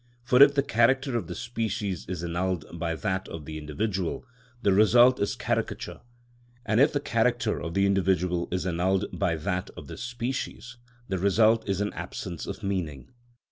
For if the character of the species is annulled by that of the individual, the result is caricature; and if the character of the individual is annulled by that of the species, the result is an absence of meaning.